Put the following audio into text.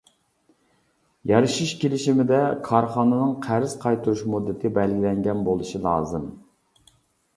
يارىشىش كېلىشىمىدە كارخانىنىڭ قەرز قايتۇرۇش مۇددىتى بەلگىلەنگەن بولۇشى لازىم.